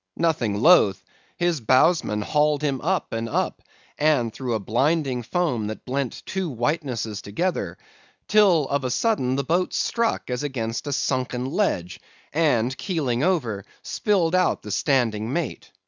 Nothing loath, his bowsman hauled him up and up, through a blinding foam that blent two whitenesses together; till of a sudden the boat struck as against a sunken ledge, and keeling over, spilled out the standing mate.